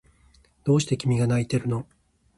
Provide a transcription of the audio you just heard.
どうして君が泣いているの？